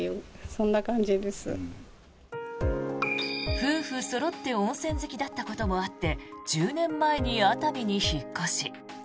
夫婦そろって温泉好きだったこともあって１０年前に熱海に引っ越し。